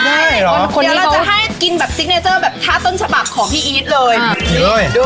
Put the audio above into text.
เดี๋ยวเราจะให้กินแบบซิกเนเจอร์แบบท่าต้นฉบับของพี่อีทเลย